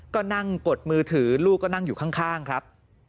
ก็นั่งกดมือถือลูกก็นั่งอยู่ข้างครับ